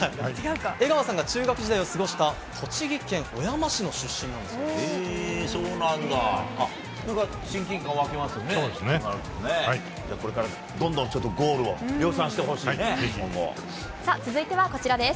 江川さんが中学時代を過ごした栃木県小山市の出身なんだそうです。